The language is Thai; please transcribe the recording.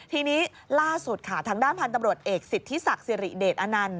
ทีนี้ล่าสุดค่ะทางด้านพันธุ์ตำรวจเอกสิทธิศักดิ์สิริเดชอนันต์